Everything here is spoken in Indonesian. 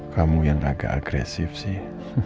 kamu yang agak agresif sih